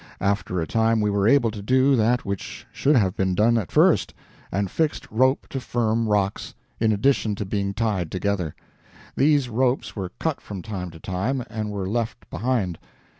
After a time we were able to do that which should have been done at first, and fixed rope to firm rocks, in addition to being tied together. These ropes were cut from time to time, and were left behind.